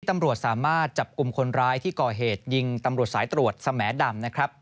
ตำรวจสามารถจับกลุ่มคนร้ายที่ก่อเหตุยิงตำรวจสายตรวจสแหมดำนะครับ